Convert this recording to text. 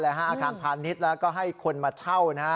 อาคารพาณฤทธิ์แล้วก็ให้คนมาเช่า